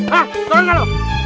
hah turun kan loh